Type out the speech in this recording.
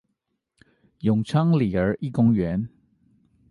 永昌里兒一公園